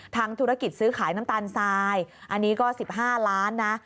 ธุรกิจซื้อขายน้ำตาลทรายอันนี้ก็๑๕ล้านนะ